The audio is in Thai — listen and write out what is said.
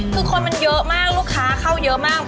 คือคนมันเยอะมากลูกค้าเข้าเยอะมาก